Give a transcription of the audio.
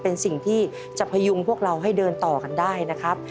เป็นสิ่งที่จะพยุงพวกเราให้เดินต่อกันได้นะครับ